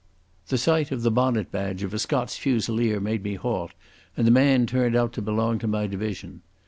The sight of the bonnet badge of a Scots Fusilier made me halt, and the man turned out to belong to my division.